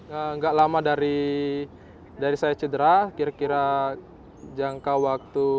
tidak lama kemudian rio menemukan seorang pemain yang berpengaruh